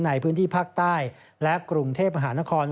ในพื้นที่ภาคใต้และกรุงเทพมหานคร